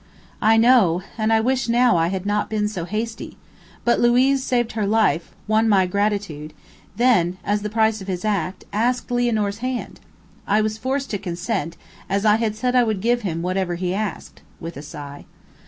"I know, and I wish now I had not been so hasty; but Luiz saved her life, won my gratitude; then, as the price of his act, asked Lianor's hand. I was forced to consent, as I had said I would give him whatever he asked," with a sigh.